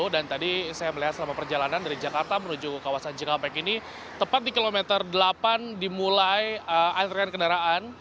dan tadi saya melihat selama perjalanan dari jakarta menuju kawasan cikampek ini tepat di kilometer delapan dimulai antrean kendaraan